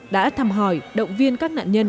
đã thăm hỏi động viên các nạn nhân